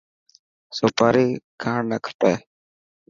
سوپاري کان نه کپي.